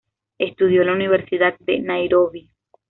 Estudió en la Universidad de Nairobi.